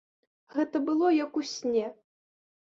Гэта было як у сне.